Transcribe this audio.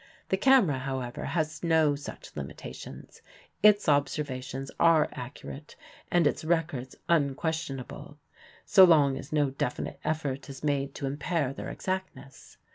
The camera, however, has no such limitations; its observations are accurate and its records unquestionable, so long as no definite effort is made to impair their exactness.